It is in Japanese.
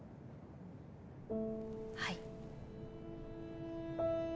はい。